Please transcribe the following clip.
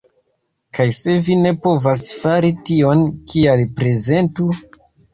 Kaj se vi ne povas fari tion kial prezentu?